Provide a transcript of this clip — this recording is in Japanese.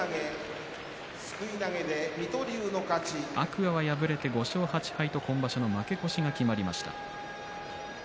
天空海は敗れて５勝８敗と今場所の負け越しが決まりました。